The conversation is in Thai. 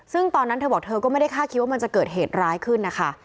ซึ่งตอนนั้นเธอบอกเธอก็ไม่ได้คาดคิดว่ามันจะเกิดเหตุร้ายขึ้นนะคะ